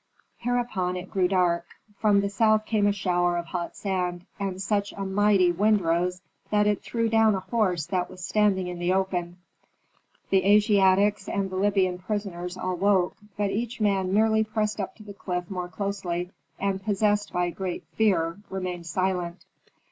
Hereupon it grew dark; from the south came a shower of hot sand, and such a mighty wind rose that it threw down a horse that was standing in the open. The Asiatics and the Libyan prisoners all woke, but each man merely pressed up to the cliff more closely, and possessed by great fear remained silent.